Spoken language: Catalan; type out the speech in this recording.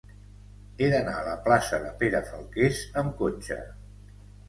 He d'anar a la plaça de Pere Falqués amb cotxe.